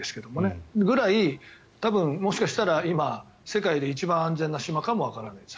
そのぐらい多分もしかしたら今世界で一番安全な島かもしれないです。